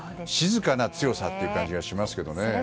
静かな強さという感じがしますよね。